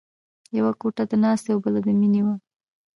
یوه کوټه د ناستې او بله د مینې وه